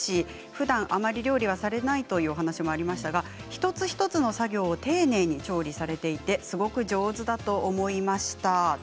ふだんあまり料理はされないというお話もありましたが、一つ一つの作業を、丁寧に調理されていてすごく上手だと思いました。